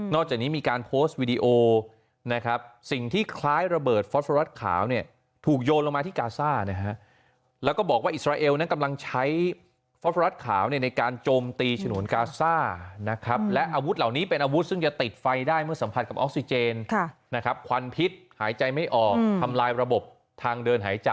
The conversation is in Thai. จากนี้มีการโพสต์วิดีโอนะครับสิ่งที่คล้ายระเบิดฟอสโรตขาวเนี่ยถูกโยนลงมาที่กาซ่านะฮะแล้วก็บอกว่าอิสราเอลนั้นกำลังใช้ฟอสรัสขาวเนี่ยในการโจมตีฉนวนกาซ่านะครับและอาวุธเหล่านี้เป็นอาวุธซึ่งจะติดไฟได้เมื่อสัมผัสกับออกซิเจนนะครับควันพิษหายใจไม่ออกทำลายระบบทางเดินหายใจ